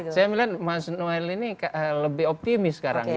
saya melihat mas noel ini lebih optimis sekarang ya